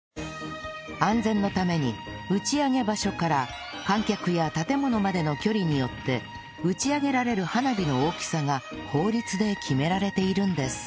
安全のために打ち上げ場所から観客や建物までの距離によって打ち上げられる花火の大きさが法律で決められているんです